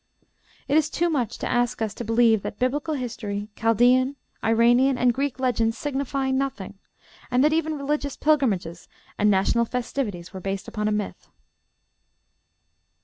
It is too much to ask us to believe that Biblical history, Chaldean, Iranian, and Greek legends signify nothing, and that even religious pilgrimages and national festivities were based upon a myth.